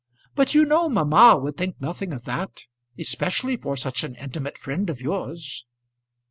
But you know mamma would think nothing of that, especially for such an intimate friend of yours."